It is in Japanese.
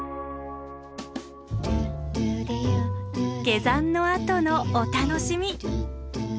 下山のあとのお楽しみ。